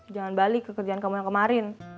jangan balik ke kerjaan kamu yang kemarin